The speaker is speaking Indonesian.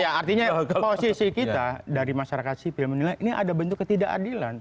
ya artinya posisi kita dari masyarakat sipil menilai ini ada bentuk ketidakadilan